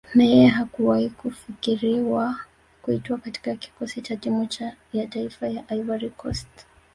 Na yeye hakuwahi kufikiriwa kuitwa katika Kikosi cha Timu ya Taifa ya Ivory Coast